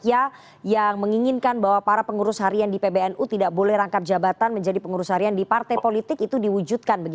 yang menginginkan bahwa para pengurus harian di pbnu tidak boleh rangkap jabatan menjadi pengurus harian di partai politik itu diwujudkan